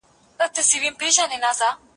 پدې اړه علماء اختلاف لري.